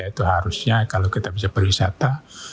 itu harusnya kalau kita bisa berwisata